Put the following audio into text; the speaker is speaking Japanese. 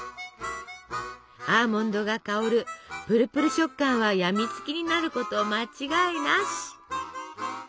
アーモンドが香るぷるぷる食感は病みつきになること間違いなし！